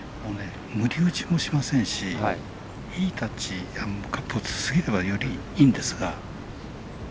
無理打ちもしませんしいいタッチ、カップを過ぎればよりいいんですが。